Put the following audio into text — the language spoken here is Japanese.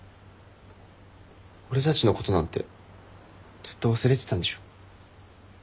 俺たちのことなんてずっと忘れてたんでしょ？